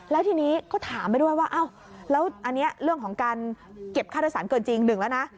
แล้วทีนี้ก็ถามไปด้วยว่าอ้าวแล้วอันนี้เรื่องของการเก็บค่าโดยสารเกินจริงหนึ่งแล้วนะ